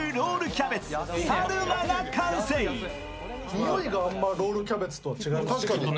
においがあんま、ロールキャベツと違いますね。